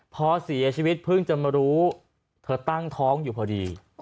พอเสียชีวิตเพิ่งจะมารู้เธอตั้งท้องอยู่พอดี